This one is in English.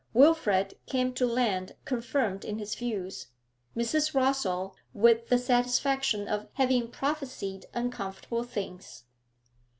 Wilfrid came to land confirmed in his views; Mrs. Rossall, with the satisfaction of having prophesied uncomfortable things.